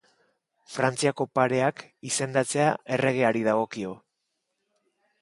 Frantziako Pareak izendatzea erregeari dagokio.